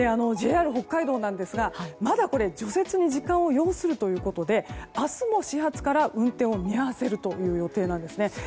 ＪＲ北海道ですがまだ除雪に時間を要するということで明日も始発から運転を見合わせる予定なんです。